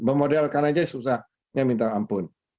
memodelkan aja susahnya minta ampun